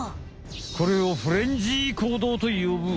これをフレンジー行動と呼ぶ。